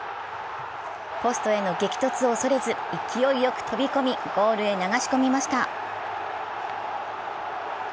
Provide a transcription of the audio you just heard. ポストへの激突を恐れず、勢いよく飛び込み、ゴールへ流し込みました。